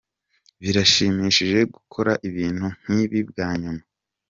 Birashimishije gukora ibintu nk’ibi bwa nyuma.